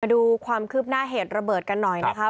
ดูความคืบหน้าเหตุระเบิดกันหน่อยนะคะ